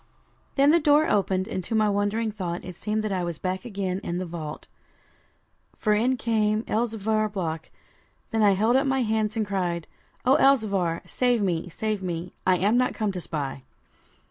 Then the door opened, and to my wandering thought it seemed that I was back again in the vault, for in came Elzevir Block. Then I held up my hands, and cried 'O Elzevir, save me, save me; I am not come to spy.'